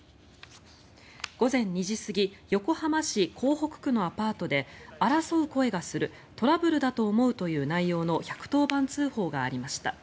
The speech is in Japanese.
午前２時過ぎ横浜市港北区のアパートで争う声がするトラブルだと思うという内容の１１０番通報がありました。